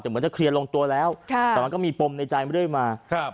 เหมือนจะคลียร์ลงตัวแล้วค่ะแต่มันก็มีปมในใจไม่ได้มาครับ